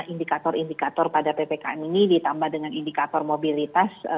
indikator indikator pada ppkm ini ditambah dengan indikator mobilitas